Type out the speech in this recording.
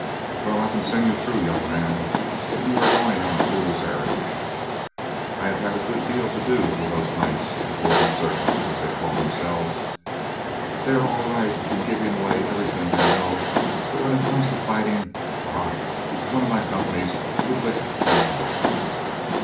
"Well, I can send you through, young man, but you are going on a fool's errand. I have had a good deal to do with those Knights of the Golden Circle, as they call themselves. They are all right in giving away everything they know; but when it comes to fighting, bah! one of my companies would lick ten thousand."